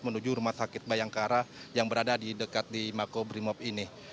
menuju rumah sakit bayangkara yang berada di dekat di makobrimob ini